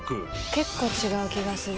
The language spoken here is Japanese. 結構違う気がする。